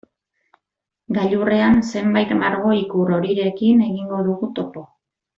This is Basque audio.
Gailurrean zenbait margo-ikur horirekin egingo dugu topo.